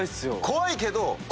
怖いけど。